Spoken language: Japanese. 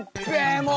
もう！